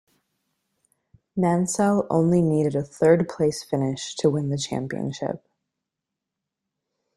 Mansell only needed a third-place finish to win the championship.